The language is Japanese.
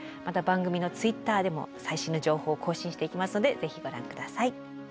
また番組のＴｗｉｔｔｅｒでも最新の情報を更新していきますのでぜひご覧下さい。